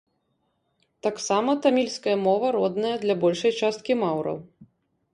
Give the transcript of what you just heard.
Таксама тамільская мова родная для большай часткі маўраў.